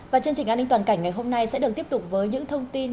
và chương trình an ninh toàn cảnh ngày hôm nay sẽ được tiếp tục với những thông tin